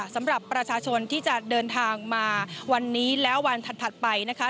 สำหรับประชาชนที่จะเดินทางมาวันนี้และวันถัดไปนะคะ